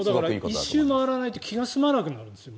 だから１周回らないと気が済まなくなるんです